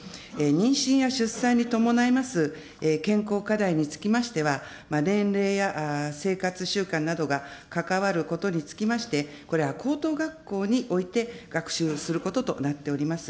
妊娠や出産に伴います健康課題につきましては、年齢や生活習慣などが関わることにつきまして、これは高等学校において学習をすることとなっております。